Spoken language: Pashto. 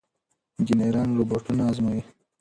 انجنیران روباټونه ازمويي.